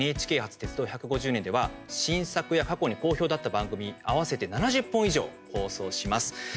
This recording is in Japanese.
鉄道１５０年」では新作や過去に好評だった番組合わせて７０本以上、放送します。